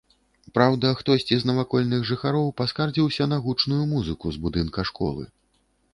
Праўда, хтосьці з навакольных жыхароў паскардзіўся на гучную музыку з будынка школы.